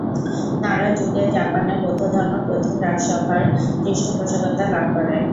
নারা যুগে জাপানে বৌদ্ধধর্ম প্রথম রাজসভার পৃষ্ঠপোষকতা লাভ করে।